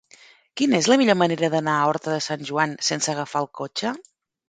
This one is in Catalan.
Quina és la millor manera d'anar a Horta de Sant Joan sense agafar el cotxe?